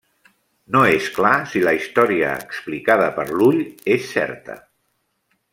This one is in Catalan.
No és clar si la història explicada per l'ull és certa.